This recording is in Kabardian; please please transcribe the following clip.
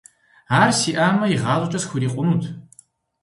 Ар сиӀамэ, игъащӀэкӀэ схурикъунт.